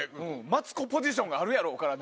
マツコポジションがあるから。